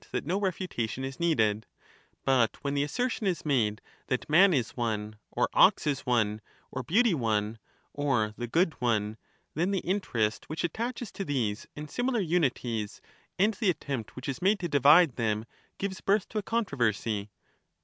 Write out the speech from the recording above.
that no refutation is needed ; but when the assertion is made that man is one, or ox is one, or beauty one, or the good one, then the interest which attaches to these and similar unities and the attempt which is made to divide them gives birth to a controversy.